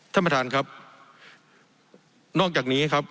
ท่านประธานครับนอกจากนี้ครับ